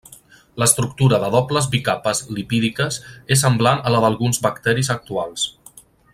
L'estructura de dobles bicapes lipídiques és semblant a la d'alguns bacteris actuals.